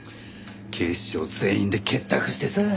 警視庁全員で結託してさ。